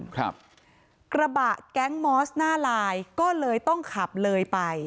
ครับกระบะแก๊งมอสหน้าลายก็เลยต้องขับเลยไป